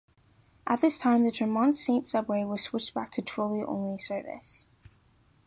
At this time, the Tremont Saint Subway was switched back to trolley-only service.